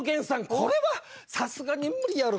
これはさすがに無理やろ。